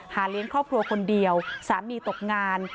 เลี้ยงครอบครัวคนเดียวสามีตกงาน